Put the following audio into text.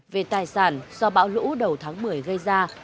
về tài sản do bão lũ đầu tháng một mươi gây ra